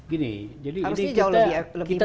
harusnya jauh lebih